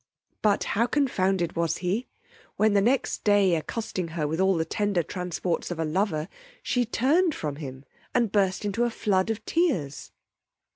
But how confounded was he, when the next day accosting her with all the tender transports of a lover, she turned from him, and burst into a flood of tears.